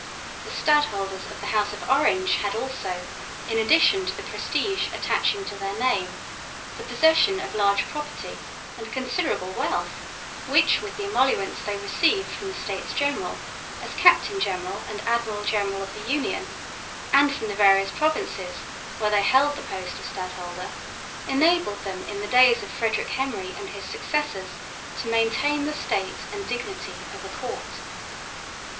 The stadholders of the house of Orange had also, in addition to the prestige attaching to their name, the possession of large property and considerable wealth, which with the emoluments they received from the States General, as Captain General and Admiral General of the Union, and from the various provinces, where they held the post of stadholder, enabled them in the days of Frederick Henry and his successors to maintain the state and dignity of a court.